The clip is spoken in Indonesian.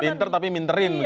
pintar tapi minterin gitu ya